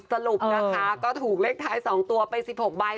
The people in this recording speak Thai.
สรุปนะคะก็ถูกเลขท้าย๒ตัวไป๑๖ใบ